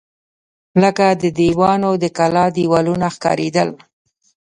لکه د دیوانو د کلا دېوالونه ښکارېدل.